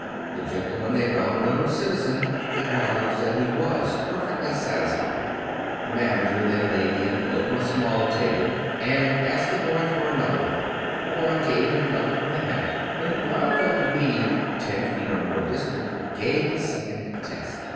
The gentleman, a well known citizen, acknowl edged that he was perfectly satisfied. The manag^er then laid the envelope on a small table and asked the boy for another one. The boy gave him another from the hat when the blindfolded medium, ten feet or more distant, gave the second test.